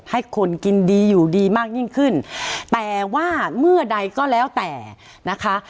ให้คนกินดีอยู่ดีมากยิ่งขึ้นแต่ว่าเมื่อใดก็แล้วแต่นะคะ